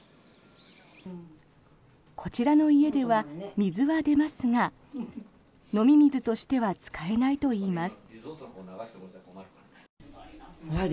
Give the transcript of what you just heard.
こちらの家では水は出ますが飲み水としては使えないといいます。